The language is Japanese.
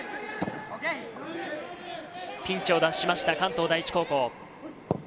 ピンチを脱しました、関東第一高校。